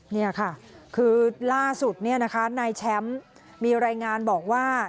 นี่ค่ะคือล่าสุดเนี่ยนะคะนายแชมป์มีรายงานบอกว่า